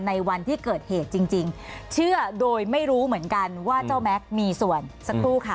ในวันที่เกิดเหตุจริงเชื่อโดยไม่รู้เหมือนกันว่าเจ้าแม็กซ์มีส่วนสักครู่ค่ะ